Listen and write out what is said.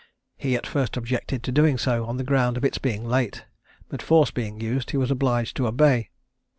He at first objected to doing so, on the ground of its being late, but force being used, he was obliged to obey.